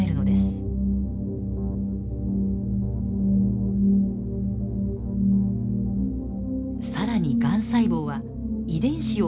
更にがん細胞は遺伝子を変化させます。